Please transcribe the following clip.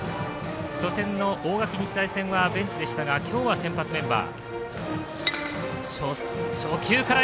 初戦の大垣日大戦ではベンチでしたが今日は先発メンバー。